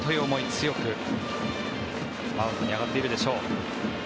強く、マウンドに上がっているでしょう。